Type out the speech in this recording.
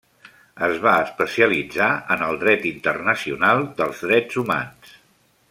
Es va especialitzar en el Dret Internacional dels Drets Humans.